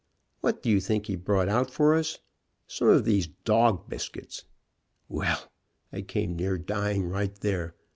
What do you think he brought out for us? Some of these dog biscuit ! Well, I came near dying right there.